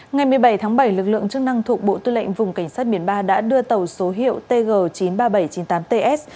ngày một mươi bảy tháng bảy lực lượng chức năng thuộc bộ tư lệnh vùng cảnh sát biển ba đã đưa tàu số hiệu tg chín mươi ba nghìn bảy trăm chín mươi tám ts